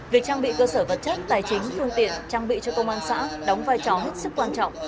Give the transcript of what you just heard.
việc trang bị cơ sở vật chất tài chính phương tiện trang bị cho công an xã đóng vai trò hết sức quan trọng